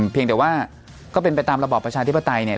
เพียงแต่ว่าก็เป็นไปตามระบอบประชาธิปไตยเนี่ย